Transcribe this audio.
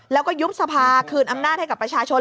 แล้วก็ยุบสภาคืนอำนาจให้กับประชาชน